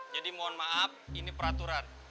jadi mohon maaf ini peraturan